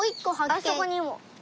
あそこにも。